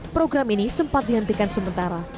program ini sempat dihentikan sementara